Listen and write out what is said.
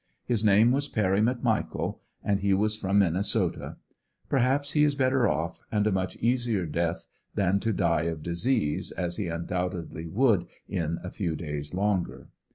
His name was Perry McMichael, and he was from Minnesota Perhaps he is better off, and a much easier death than to die of disease as he undoubtedly w^ould in a few days, longer.